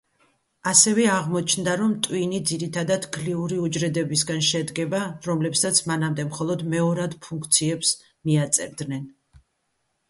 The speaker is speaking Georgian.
ასევე აღმოჩნდა, რომ ტვინი ძირითადად გლიური უჯრედებისგან შედგება, რომლებსაც მანამდე მხოლოდ მეორად ფუნქციებს მიაწერდნენ.